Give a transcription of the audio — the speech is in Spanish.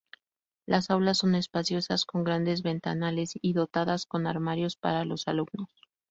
Las aulas son espaciosas, con grandes ventanales y dotadas con armarios para los alumnos.